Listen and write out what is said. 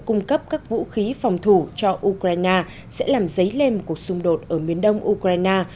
cung cấp các vũ khí phòng thủ cho ukraine sẽ làm dấy lên một cuộc xung đột ở miền đông ukraine